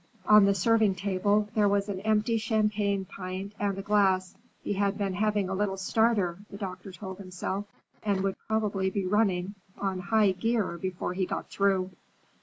On the serving table there was an empty champagne pint and a glass. He had been having a little starter, the doctor told himself, and would probably be running on high gear before he got through.